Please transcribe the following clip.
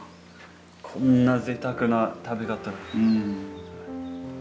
こんなぜいたくな食べ方。